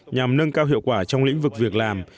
nhằm nâng cao hiệu quả trong lĩnh vực việc làm